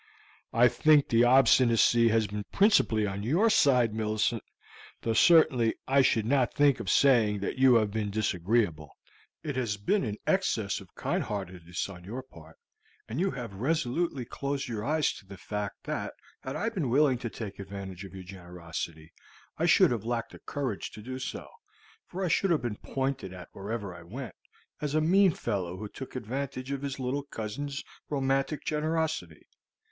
"I think the obstinacy has been principally on your side, Millicent; though certainly I should not think of saying that you have been disagreeable. It has been an excess of kindheartedness on your part, and you have resolutely closed your eyes to the fact that, had I been willing to take advantage of your generosity, I should have lacked the courage to do so, for I should have been pointed at wherever I went, as a mean fellow who took advantage of his little cousin's romantic generosity.